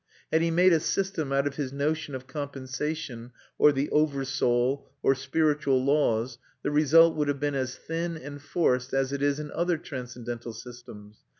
Had he made a system out of his notion of compensation, or the over soul, or spiritual laws, the result would have been as thin and forced as it is in other transcendental systems.